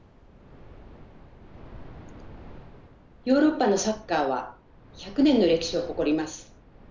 ヨーロッパのサッカーは１００年の歴史を誇ります。